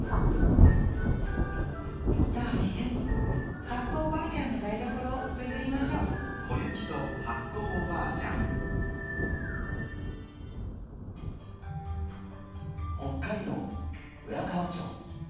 さあ一緒に発酵おばあちゃんの台所を巡りましょう北海道浦河町。